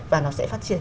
và nó sẽ phát triển